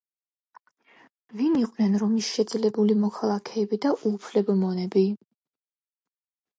ვინ იყვნენ რომის შეძლებული მოქალაქეები და უუფლებო მონები?